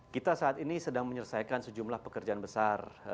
kita saat ini sedang menyelesaikan sejumlah pekerjaan besar